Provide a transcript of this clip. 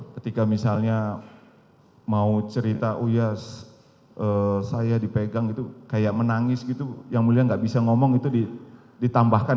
ketika misalnya mau cerita oh ya saya dipegang itu kayak menangis gitu yang mulia nggak bisa ngomong itu ditambahkan